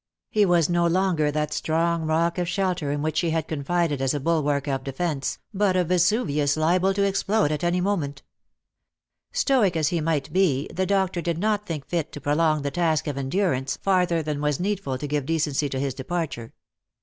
He was no longer that strong rock of shelter in which she had confided as a bulwark of defence, but a Vesuvius liable to explode at any moment. Stoic as he might be, the doctor did not think fit to prolong the task of endurance farther than was needful to give decency to his departure.